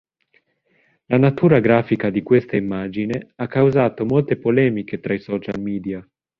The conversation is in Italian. La natura grafica di questa immagine ha causato molte polemiche tra i social media.